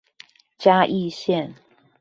嘉義線